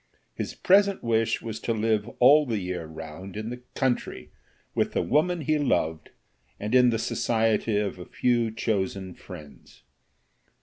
His present wish was to live all the year round in the country, with the woman he loved, and in the society of a few chosen friends.